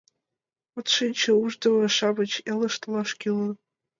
От шинче, Ушдымо-шамыч Элыш толаш кӱлын.